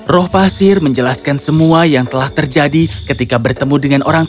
roh pasir menjelaskan semua yang telah terjadi ketika lusias menemukan anna maria